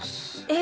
え！